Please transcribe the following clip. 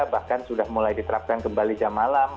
bahkan sudah mulai diterapkan kembali jam malam